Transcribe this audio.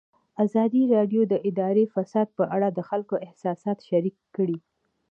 ازادي راډیو د اداري فساد په اړه د خلکو احساسات شریک کړي.